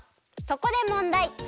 そこでもんだい。